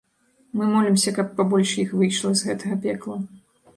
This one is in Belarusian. Мы молімся, каб пабольш іх выйшла з гэтага пекла.